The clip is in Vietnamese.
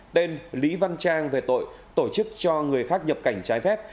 tên lý văn trang về tội tổ chức cho người khác nhập cảnh trái phép